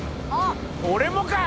「俺もかい！